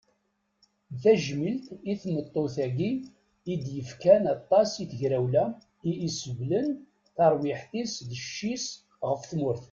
D tajmilt i tmeṭṭut-agi id yefkan aṭas i tegrawla, i iseblen tarwiḥt-is d cci-s ɣef tmurt.